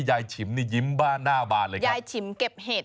ฉิมนี่ยิ้มบ้านหน้าบานเลยครับยายฉิมเก็บเห็ด